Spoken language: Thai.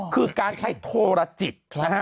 คือการใช้โทรจิต